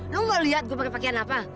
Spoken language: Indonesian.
lu gak liat gua pake pakaian apa